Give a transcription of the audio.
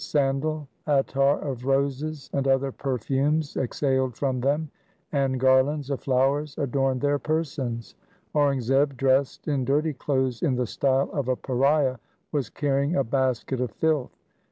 Sandal, attar of roses, and other perfumes exhaled from them, and garlands of flowers adorned their persons. Aurangzeb dressed in dirty clothes in the style of a pariah was carrying a basket of filth.